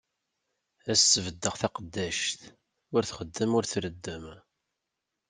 Ad as-sbeddeɣ taqeddact, ur txeddem ur treddem.